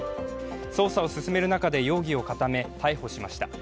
捜査を進める中で容疑を固め、逮捕しました。